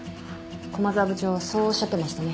駒沢部長そうおっしゃってましたね。